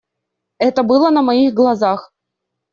Это было на моих глазах.